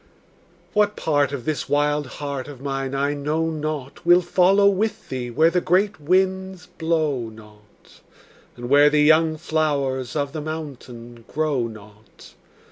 What part of this wild heart of mine I know not Will follow with thee where the great winds blow not, And where the young flowers of the mountain grow not.